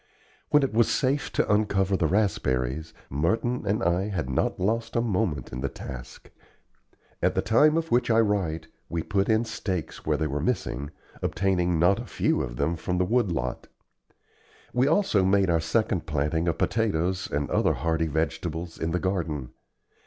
When it was safe to uncover the raspberries, Merton and I had not lost a moment in the task. At the time of which I write we put in stakes where they were missing, obtaining not a few of them from the wood lot. We also made our second planting of potatoes and other hardy vegetables in the garden.